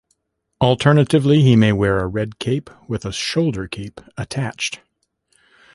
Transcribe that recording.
Alternatively, he may wear a red cape with a shoulder cape attached.